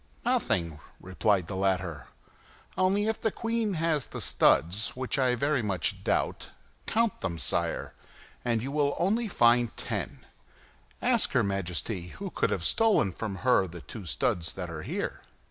"Nothing," replied the latter; "only, if the queen has the studs, which I very much doubt, count them, sire, and if you only find ten, ask her Majesty who can have stolen from her the two studs that are here."